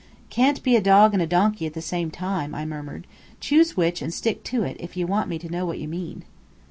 "Can't be a dog and a donkey at the same time," I murmured. "Choose which, and stick to it, if ye want me to know what ye mean."